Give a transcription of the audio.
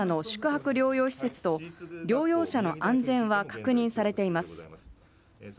宿泊療養施設と療養者の安全は確認されています。